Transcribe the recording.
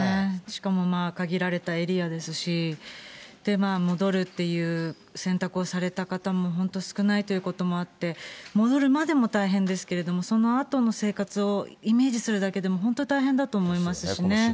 しかも限られたエリアですし、戻るっていう選択をされた方も本当少ないということもあって、戻るまでも大変ですけど、そのあとの生活をイメージするだけでも、本当、大変だと思いますしね。